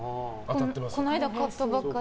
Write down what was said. この間、買ったばっかり。